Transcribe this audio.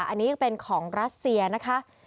อันนี้ยังเป็นของรัสเซียนะคะ